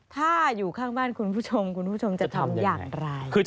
ถ้าอยู่ข้างบ้านคุณผู้ชมคุณผู้ชมจะทำอย่างไร